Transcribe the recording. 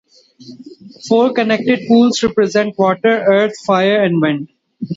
Four connected pools represent Water, Earth, Fire and Wind.